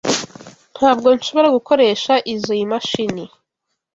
Ntabwo nshobora gukoresha izoi mashini.